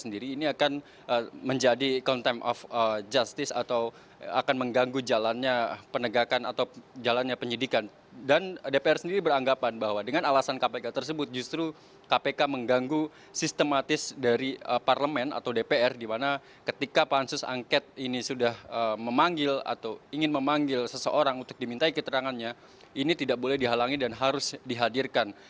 dan dpr sendiri beranggapan bahwa dengan alasan kpk tersebut justru kpk mengganggu sistematis dari parlemen atau dpr di mana ketika pansus angket ini sudah memanggil atau ingin memanggil seseorang untuk dimintai keterangannya ini tidak boleh dihalangi dan harus dihadirkan